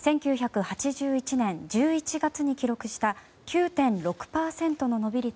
１９８１年１１月に記録した９．６％の伸び率